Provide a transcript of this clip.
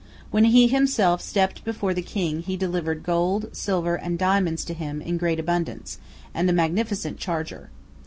When he himself stepped before the king, he delivered gold, silver, and diamonds to him in great abundance, and a magnificent charger.